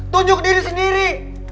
tunjuk diri sendiri